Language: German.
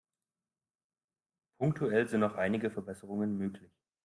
Punktuell sind noch einige Verbesserungen möglich.